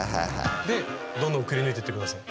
でどんどんくりぬいてって下さい。